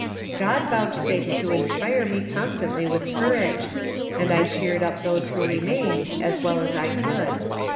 God vouchsafed to in spire me constantly with courage, and I cheered up those who remained as well as I could.